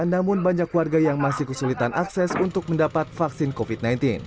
namun banyak warga yang masih kesulitan akses untuk mendapat vaksin covid sembilan belas